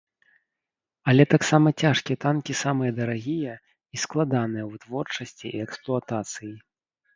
Але таксама цяжкія танкі самыя дарагія і складаныя ў вытворчасці і эксплуатацыі.